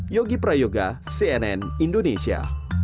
yogi prayoga cnn indonesia